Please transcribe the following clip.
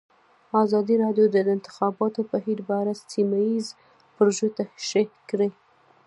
ازادي راډیو د د انتخاباتو بهیر په اړه سیمه ییزې پروژې تشریح کړې.